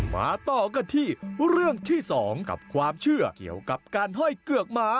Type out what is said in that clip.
มาต่อกันที่เรื่องที่๒กับความเชื่อเกี่ยวกับการห้อยเกือกหมา